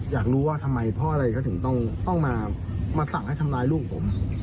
อยากรู้ว่าทำไมพ่ออะไรเขาถึงต้องมาสั่งให้ทำร้ายลูกผม